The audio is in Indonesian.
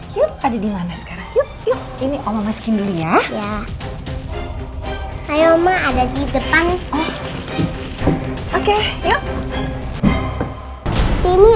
hai yuk ada dimana sekarang yuk ini om maskin dulu ya ya hai ayo ma ada di depan oke yuk sini